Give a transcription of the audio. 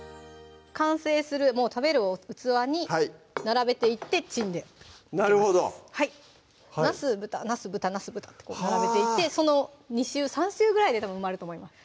完成するもう食べる器に並べていってチンでなるほどなす・豚・なす・豚ってこう並べていってその２周３周ぐらいで埋まると思います